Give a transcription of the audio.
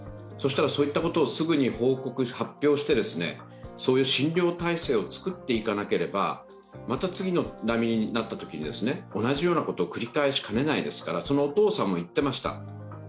そしたらそういったことをすぐに報告・発表してそういう診療体制を作っていかなければまた次の波になったときに同じようなことを繰り返しかねないですから、そのお父さんも言ってました。